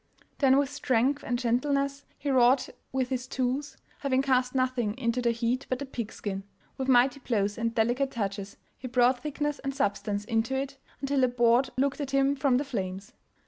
Then with strength and gentleness he wrought with his tools, having cast nothing into the heat but the pig skin; with mighty blows and delicate touches he brought thickness and substance into it, until a board looked at him from the flames.